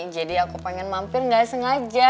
jadi aku pengen mampir gak sengaja